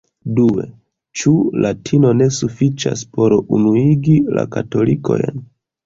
Due, ĉu latino ne sufiĉas por unuigi la katolikojn.